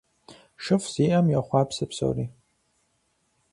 ШыфӀ зиӀэм йохъуапсэ псори.